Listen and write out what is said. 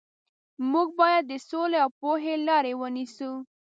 موږ باید د سولې او پوهې لارې ونیسو.